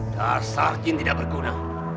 dasarkan tidak berguna